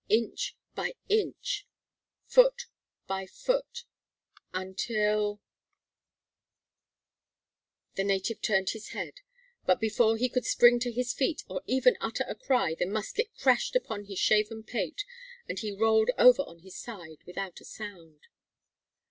Inch by inch, foot by foot, until [Illustration: 0213] The native turned his head; but before he could spring to his feet, or even utter a cry, the musket crashed upon his shaven pate, and he rolled over on his side without a sound.